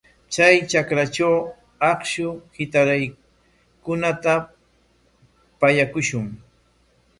Chay trakratraw akshu hitaraqkunata pallakushun.